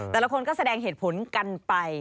แต่ละคนก็แสดงเหตุผลกันไป